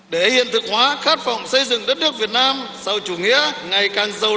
để hiện thực hóa khát phòng xây dựng đất nước việt nam sau chủ nghĩa ngày càng giàu